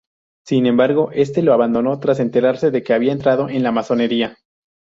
Sin embargo, este lo abandonó tras enterarse de que había entrado en la masonería.